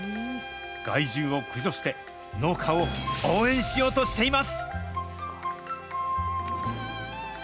害獣を駆除して、農家を応援しようとしています。